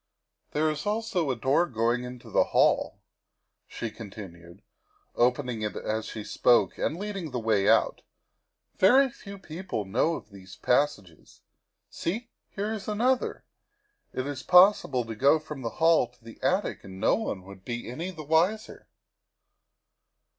" There is also a door going into the hall," she con tinued, opening it as she spoke and leading the way out. " Very few people know of these passages. See, here is another. It is possible to go from the hall to the attic and no one would be any the wiser.